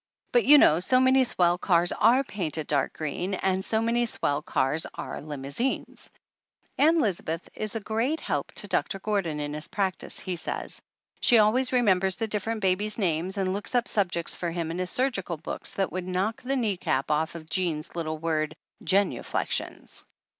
But you know THE ANNALS OF ANN so many swell cars are painted dark green, and so many swell cars are limousines ! Ann Lisbeth is a great help to Doctor Gor don in his practice, he says. She always re members the different babies' names and looks up subjects for him in his surgical books that would knock the knee cap off of Jean's little word, "genuflections."